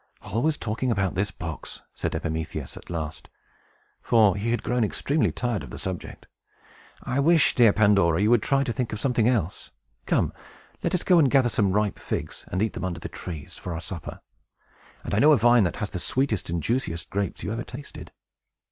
"Always talking about this box!" said Epimetheus, at last; for he had grown extremely tired of the subject. "I wish, dear Pandora, you would try to talk of something else. Come, let us go and gather some ripe figs, and eat them under the trees, for our supper. And I know a vine that has the sweetest and juiciest grapes you ever tasted."